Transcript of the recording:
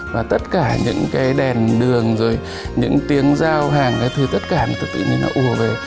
và tất cả những cái đèn đường rồi những tiếng giao hàng cái thứ tất cả tự nhiên nó ùa về